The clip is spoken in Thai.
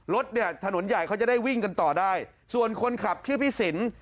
รถเนี่ยถนนใหญ่เขาจะได้วิ่งกันต่อได้ส่วนคนขับชื่อพี่สิน